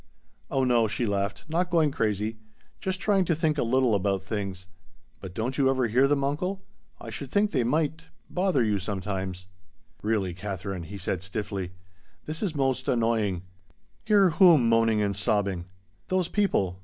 "Oh no," she laughed, "not going crazy. Just trying to think a little about things. But don't you ever hear them, uncle? I should think they might bother you sometimes." "Really, Katherine," he said stiffly, "this is most annoying. Hear whom moaning and sobbing?" "Those people!